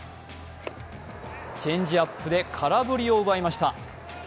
チェンジアップで空振りを奪いました。